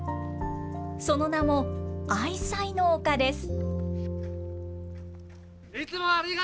その名も、愛妻の丘です。